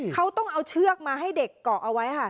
เขาต้องเอาเชือกมาให้เด็กเกาะเอาไว้ค่ะ